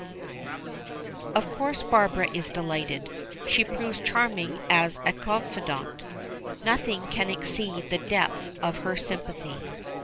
Of course Barbara is delighted. She proves charming as a confidante. Nothing can exceed the depth of her sympathy.